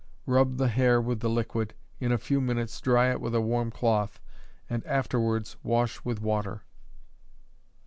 Rub the hair with the liquid, in a few minutes dry it with a warm cloth, and afterwards wash with water.